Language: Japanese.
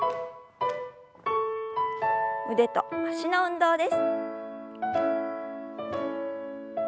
腕と脚の運動です。